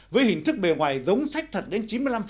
với hình thức bề ngoài giống sách thật đến chín mươi năm